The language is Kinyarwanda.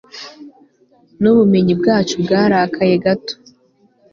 Nubumenyi bwacu bwarakaye gato